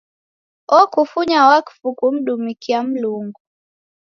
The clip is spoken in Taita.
Okufunya wakfu kumdumikia Mlungu.